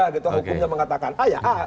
hukumnya mengatakan a ya a